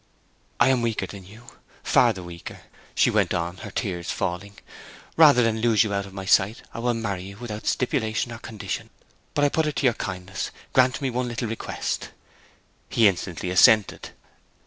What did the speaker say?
'I am weaker than you, far the weaker,' she went on, her tears falling. 'Rather than lose you out of my sight I will marry without stipulation or condition. But I put it to your kindness grant me one little request.' He instantly assented.